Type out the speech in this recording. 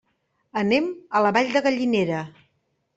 Anem a la Vall de Gallinera.